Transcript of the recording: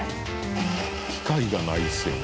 機械がないですよね。